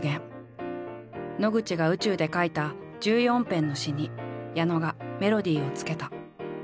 野口が宇宙で書いた１４編の詩に矢野がメロディーをつけた。